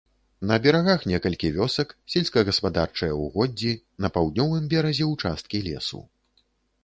На берагах некалькі вёсак, сельскагаспадарчыя ўгоддзі, на паўднёвым беразе ўчасткі лесу.